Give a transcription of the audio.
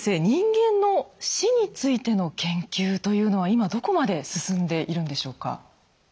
人間の死についての研究というのは今どこまで進んでいるんでしょうか？